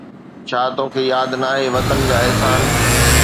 ڇا توکي ياد ناهي وطن جا احسان؟